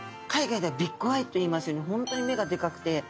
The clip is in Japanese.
海外ではビッグアイといいますように本当に目がでかくて。